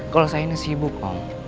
kalau saya ini sibuk kok